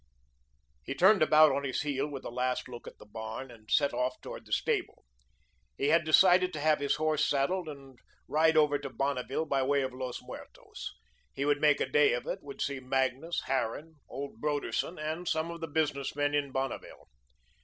He turned about on his heel with a last look at the barn, and set off toward the stable. He had decided to have his horse saddled and ride over to Bonneville by way of Los Muertos. He would make a day of it, would see Magnus, Harran, old Broderson and some of the business men of Bonneville.